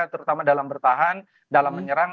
terutama dalam bertahan dalam menyerang